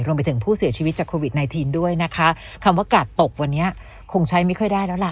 รวมไปถึงผู้เสียชีวิตจากโควิดไนทีนด้วยนะคะคำว่ากาดตกวันนี้คงใช้ไม่ค่อยได้แล้วล่ะ